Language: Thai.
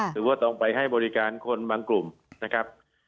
หรือว่าต้องไปให้บริการคนบางกลุ่มนะครับ